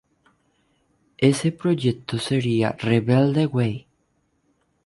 Ese proyecto sería "Rebelde Way".